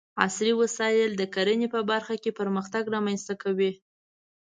عصري وسايل د کرنې په برخه کې پرمختګ رامنځته کوي.